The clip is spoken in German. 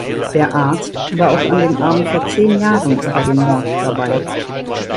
Der Arzt war auch an dem Abend vor zehn Jahren bei dem Mord dabei.